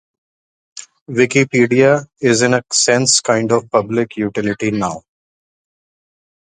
Wikipedia is in a sense kind of public utility now.